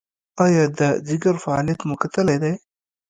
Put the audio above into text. ایا د ځیګر فعالیت مو کتلی دی؟